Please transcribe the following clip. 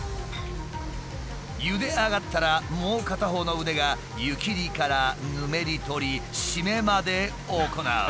ゆで上がったらもう片方の腕が湯切りからぬめり取り締めまで行う。